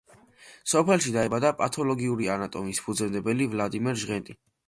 სოფელში დაიბადა პათოლოგიური ანატომიის ფუძემდებელი ვლადიმერ ჟღენტი.